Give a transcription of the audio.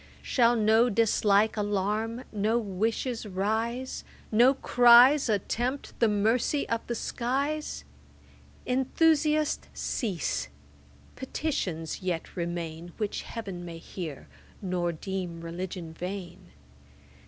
Shall no dislike alarm, no wishes rise, No cries attempt the mercy of the skies? Enthusiast, cease; petitions yet remain, Which Heav'n may hear, nor deem Religion vain.